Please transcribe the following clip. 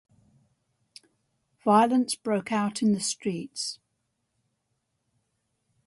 Violence broke out in the streets.